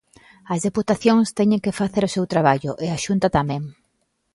As deputacións teñen que facer o seu traballo, e a Xunta tamén.